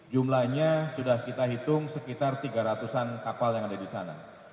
jumlahnya sudah kita hitung sekitar tiga ratus an kapal yang ada di sana